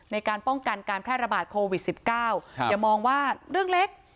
ในการป้องกันการแพร่ระบาดโควิด๑๙อย่ามองว่าเรื่องเล็ก